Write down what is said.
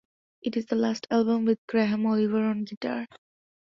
It is the last album with Graham Oliver on guitar.